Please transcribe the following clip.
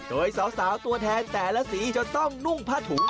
โดยสาวตัวแทนแต่ละสีจะต้องนุ่งผ้าถุง